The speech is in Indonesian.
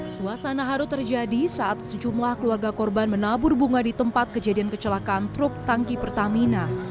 suasana haru terjadi saat sejumlah keluarga korban menabur bunga di tempat kejadian kecelakaan truk tangki pertamina